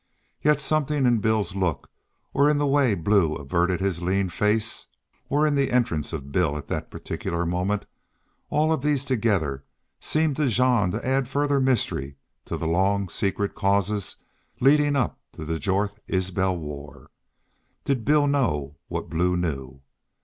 Yet something in Bill's look or in the way Blue averted his lean face or in the entrance of Bill at that particular moment, or all these together, seemed to Jean to add further mystery to the long secret causes leading up to the Jorth Isbel war. Did Bill know what Blue knew?